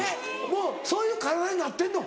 もうそういう体になってんの？